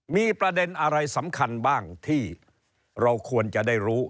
มีประเด็นอะไรสำคัญบ้างที่เราควรจะได้รู้